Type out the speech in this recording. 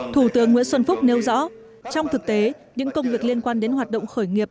thủ tướng nguyễn xuân phúc nêu rõ trong thực tế những công việc liên quan đến hoạt động khởi nghiệp